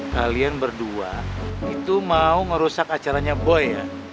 kalian berdua itu mau ngerusak acaranya boy ya